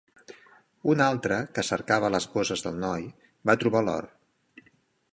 Un altre, que cercava a les bosses del noi, va trobar l'or.